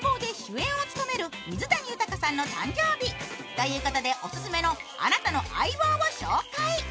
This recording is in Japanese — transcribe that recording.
ということで、オススメのあなたの相棒を紹介。